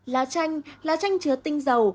lá chanh lá chanh chứa tinh dầu